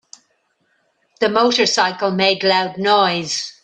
The motorcycle made loud noise.